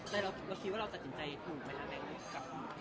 แล้วเราคิดว่าเราตัดสินใจถูกหรือไม่หรืออะไร